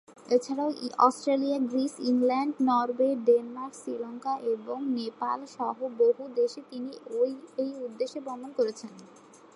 এছাড়াও Australia, Greece, England, Norway, Denmark, Sri Lanka এবং নেপাল সহ বহু দেশে তিনি এই উদ্দেশ্যে ভ্রমণ করেছেন।